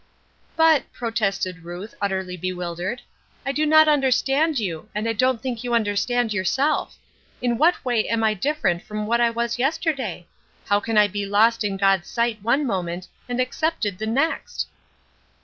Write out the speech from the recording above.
"But," protested Ruth, utterly bewildered, "I do not understand you, and I don't think you understand yourself. In what way am I different from what I was yesterday? How can I be lost in God's sight one moment and accepted the next?"